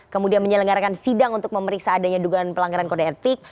kemudian menyelenggarakan sidang untuk memeriksa adanya dugaan pelanggaran kode etik